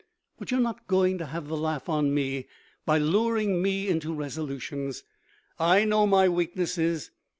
But you are not going to have the laugh on me by luring me into resolutions. I know my weaknesses.